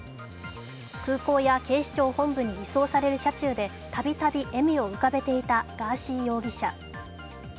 空港や警視庁本部に移送される車中でたびたび笑みを浮かべていたガーシー容疑者。